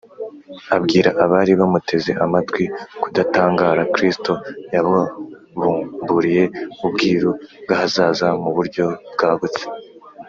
Abwira abari bamuteze amatwi kudatangara, Kristo yababumburiye ubwiru bw’ahazaza mu buryo bwagutse.